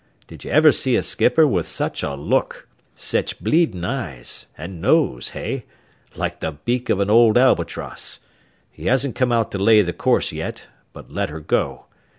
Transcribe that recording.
Did you ever see a skipper with such a look? Sech bleeding eyes an' nose, hey? Like the beak of an old albatross. He hasn't come out to lay the course yet, but let her go.